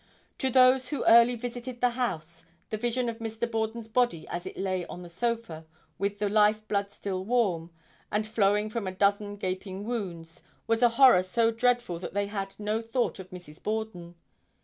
To those who early visited the house, the vision of Mr. Borden's body as it lay on the sofa, with the life blood still warm, and flowing from a dozen gaping wounds was a horror so dreadful that they had no thought of Mrs. Borden.